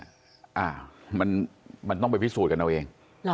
อ้าวมันต้องไปพิสูจน์กันเอาเอง